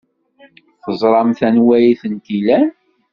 Teẓramt anwa ay tent-ilan.